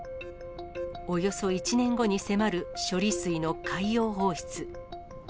およそ１年後に迫る処理水の海洋放出。